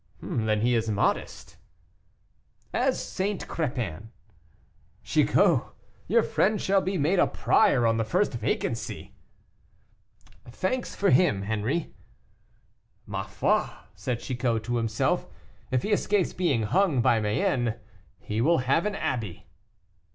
"Then he is modest?" "As St. Crepin." "Chicot, your friend shall be made a prior on the first vacancy." "Thanks for him, Henri." "Ma foi!" said Chicot to himself, "if he escapes being hung by Mayenne, he will have an abbey."